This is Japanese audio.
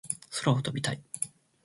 空を飛びたい